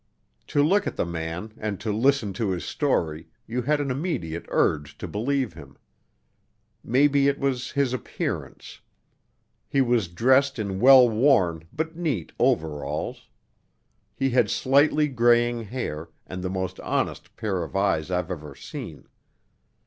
To look at the man and to listen to his story you had an immediate urge to believe him. Maybe it was his appearance. He was dressed in well worn, but neat, overalls. He had slightly graying hair and the most honest pair of eyes I've ever seen.